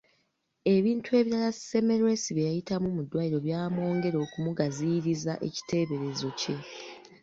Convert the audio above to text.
Ebintu ebirala Semmelwesi bye yayitamu mu ddwaliro byamwongera okumugaziyiriza ekiteeberezo kye.